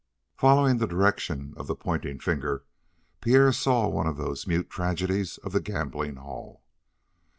Following the direction of the pointing finger, Pierre saw one of those mute tragedies of the gambling hall.